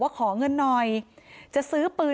นางศรีพรายดาเสียยุ๕๑ปี